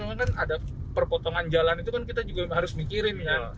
cuma kan ada perpotongan jalan itu kan kita juga harus mikirin